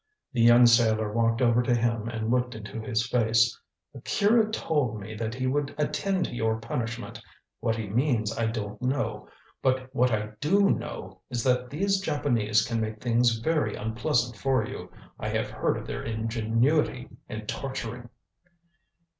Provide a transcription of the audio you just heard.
The young sailor walked over to him and looked into his face. "Akira told me that he would attend to your punishment. What he means I don't know. But what I do know is that these Japanese can make things very unpleasant for you. I have heard of their ingenuity in torturing."